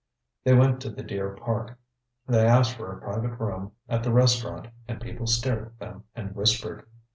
ŌĆØ They went to the Deer Park. They asked for a private room at the restaurant, and people stared at them and whispered.